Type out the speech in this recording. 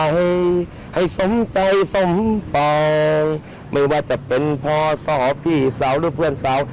ให้สมใจสมไปไม่ว่าจะเป็นพ่อสาวพี่สาวหรือเพื่อนสาว